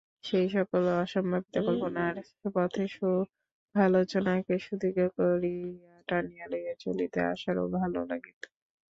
সেই-সকল অসম্ভাবিত কল্পনার পথে সুখালোচনাকে সুদীর্ঘ করিয়া টানিয়া লইয়া চলিতে আশারও ভালো লাগিত।